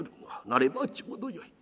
「なればちょうどよい。